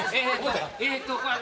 えーっと。